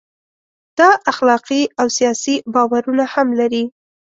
دا اخلاقي او سیاسي باورونه هم لري.